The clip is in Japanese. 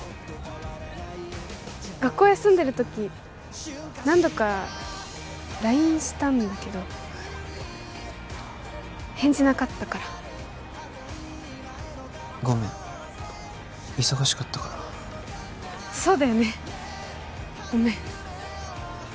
学校休んでるとき何度かＬＩＮＥしたんだけど返事なかったからごめん忙しかったからそうだよねごめん